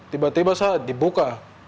tiba tiba saya dibuka